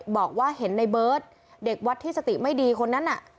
บอกว่าเห็นในเบิร์ตเด็กวัดที่สติไม่ดีคนนั้นน่ะ